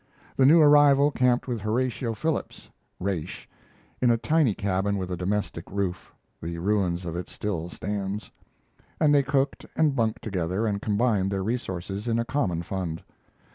The new arrival camped with Horatio Phillips (Raish), in a tiny cabin with a domestic roof (the ruin of it still stands), and they cooked and bunked together and combined their resources in a common fund.